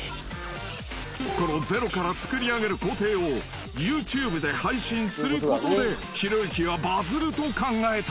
［このゼロから作り上げる工程をＹｏｕＴｕｂｅで配信することでひろゆきはバズると考えた］